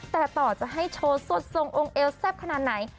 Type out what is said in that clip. แต่ต่อจะให้โชว์สดทรงองค์เอวแซ่บขนาดไหน